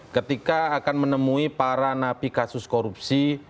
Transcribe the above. ketika akan menemui para napi kasus korupsi